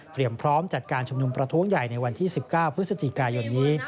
พร้อมจัดการชุมนุมประท้วงใหญ่ในวันที่๑๙พฤศจิกายนนี้